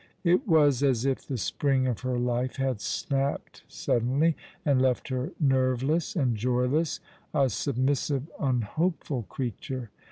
It was as if the spring of her life had snapped suddenly, and left her nerveless and joyless, a submissive, unhopeful creature.